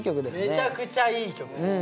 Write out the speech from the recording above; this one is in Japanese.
めちゃくちゃいい曲です